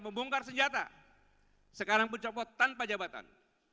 membongkar senjata sekarang pun copot tanpa jabatan